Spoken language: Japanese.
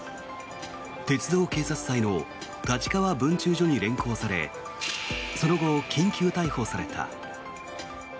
鉄道警備隊の立川分駐所に連行されその後、緊急逮捕された。